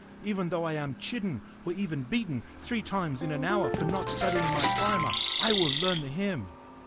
Even though I am chidden or even beaten three times in an hour for not studying my primer, I will learn the hymn."